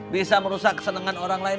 bisa merusak kesenangan orang lain